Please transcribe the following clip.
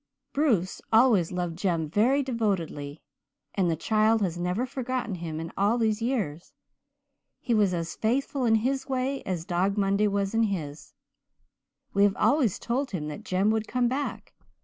"Bruce always loved Jem very devotedly, and the child has never forgotten him in all these years. He has been as faithful in his way as Dog Monday was in his. We have always told him that Jem would come back.